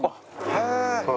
へえ！